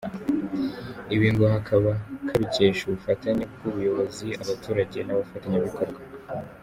Ibi ngo kakaba kabikesha ubufatanye bw’ubuyobozi, abaturage n’abafatanyabikorwa.